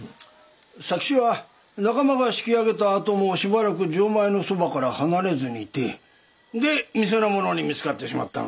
佐吉は仲間が引き揚げたあともしばらく錠前のそばから離れずにいてで店の者に見つかってしまったのだ。